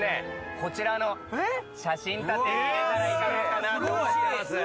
こちらの写真立てに入れたらいかがかなと思ってます。